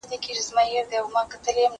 زه مينه نه څرګندوم!